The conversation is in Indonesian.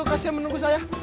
kasih yang menunggu saya